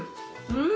うん！